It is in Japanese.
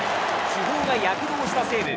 主砲が躍動した西武。